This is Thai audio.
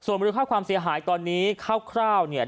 ส่วนบริจุค่าความเสียหายตอนนี้คร่าวคร่าวเนี่ย